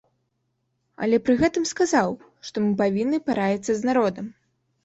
Але пры гэтым сказаў, што мы павінны параіцца з народам.